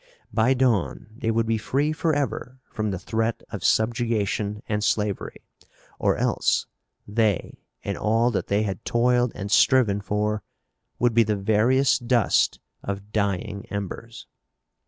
By dawn they would be free forever from the threat of subjugation and slavery or else they, and all that they had toiled and striven for, would be the veriest dust of dying embers.